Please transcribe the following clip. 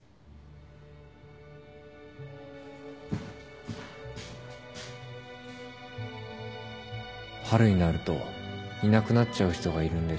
春になるといなくなっちゃう人がいるんです